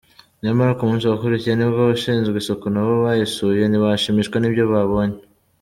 Nyamara ku munsi wakurikiye, nibwo abashinzwe isuku nabo bayisuye, ntibashimishwa n’ibyo babonye.